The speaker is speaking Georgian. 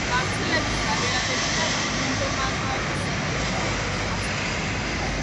გავრცელების არეალებია ინდომალაის ოლქი, ავსტრალია.